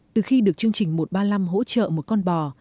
từ khi được chương trình một trăm ba mươi năm hỗ trợ một con bò